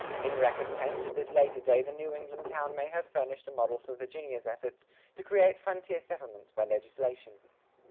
In recompense, at this later day the New England town may have furnished a model for Virginia's efforts to create frontier settlements by legislation.